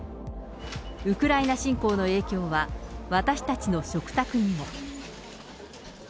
ウクライナ侵攻の影響は、私たちの食卓にも。